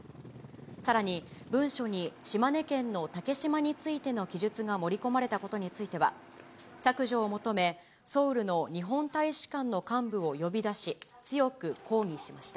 さらに、文書に島根県の竹島についての記述が盛り込まれたことについては、削除を求め、ソウルの日本大使館の幹部を呼び出し、強く抗議しました。